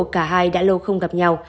cả hai đã lâu không gặp nhau